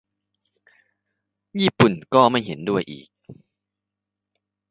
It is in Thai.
ญี่ปุ่นก็ไม่เห็นด้วยอีก